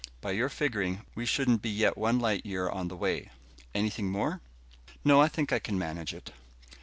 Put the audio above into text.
By your figuring, we shouldn't be yet one light year on the way. Anything more?" "No, I think I can manage it."